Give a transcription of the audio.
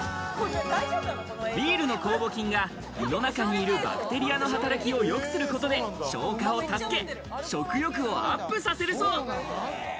ビールの酵母菌が胃の中にいるバクテリアの働きを良くすることで消化を助け、食欲をアップさせるそう。